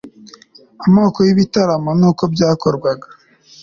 amoko y'ibitaramo n'uko byakorwaga